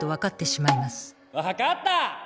分かった！